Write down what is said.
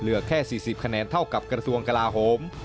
แค่๔๐คะแนนเท่ากับกระทรวงกลาโหม